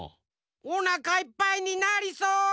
おなかいっぱいになりそう。